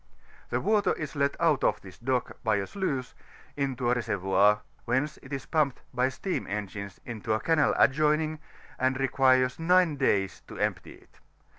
The water is let out of this dock by a sluice, into a reser voir, whence it is pumped bv steam engines into a canal adjoining, and requires nine days to empty it.